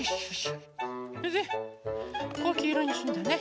それでここをきいろにするんだね。